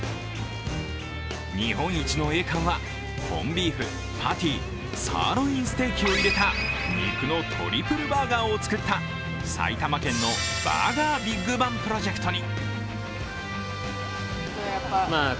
日本一の栄冠はコンビーフ、パティ、サーロインステーキを入れた肉のトリプルバーガーを作った埼玉県のＢｕｒｇｅｒＢｉｇＢａｎｇＰＪに。